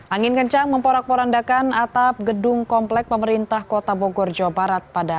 angin kencang memporak porandakan atap gedung komplek pemerintah kota bogor jawa barat pada